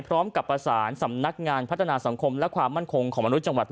พร้อมกับประสานสำนักงานพัฒนาสังคมและความมั่นคงของมนุษย์จังหวัด